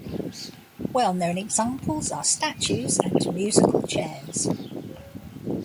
Well-known examples are statues and musical chairs.